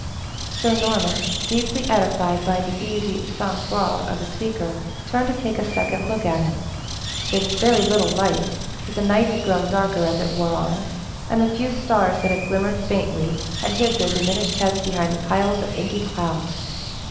Sir Norman, deeply edified by the easy sang froid of the speaker, turned to take a second look at him. There was very little light; for the night had grown darker as it wore on, and the few stars that had glimmered faintly had hid their diminished heads behind the piles of inky clouds.